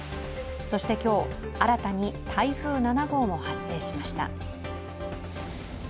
そして、今日新たに台風７号も発生しました。